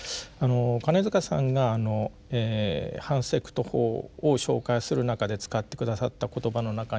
金塚さんが反セクト法を紹介する中で使って下さった言葉の中にですね